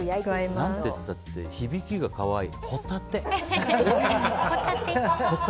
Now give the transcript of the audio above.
何て言ったって響きが可愛い。